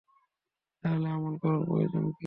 তাহলে আমল করার প্রয়োজন কি?